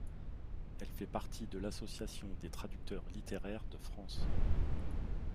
Elle fait partie de l'Association des traducteurs littéraires de France.